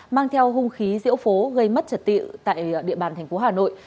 mang theo hung khí diễu phố gây mất trật tự tại địa bàn thành phố hà nội